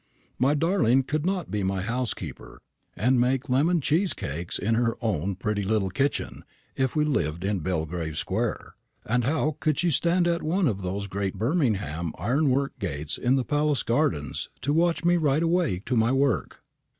My darling could not be my housekeeper, and make lemon cheese cakes in her own pretty little kitchen, if we lived in Belgrave square; and how could she stand at one of those great Birmingham ironwork gates in the Palace gardens to watch me ride away to my work?"